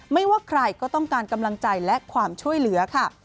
ไม่ว่าใครก็ต้องการกำลังใจและความช่วยเหลือค่ะ